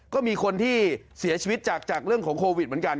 ก็มีคนที่เสียชีวิตจากเรื่องของโควิดเหมือนกัน